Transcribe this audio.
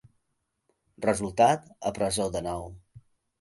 Resultat: a presó de nou.